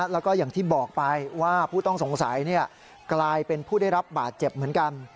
แล้วก็อย่างที่บอกไปว่าผู้ต้องสงสัยกลายเป็นผู้ได้รับบาดเจ็บเหมือนกัน